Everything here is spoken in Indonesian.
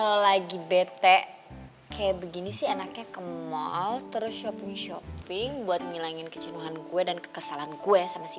kalau lagi bete kayak begini sih enaknya ke mall terus shopping shopping buat ngilangin kecenuhan gue dan kekesalan gue sama si b